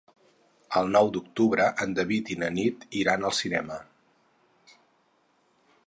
El nou d'octubre en David i na Nit iran al cinema.